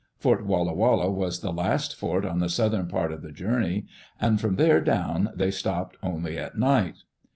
Fort Walla Walla was the last fort on the southern part of the journey, and from there down they stopped only at night.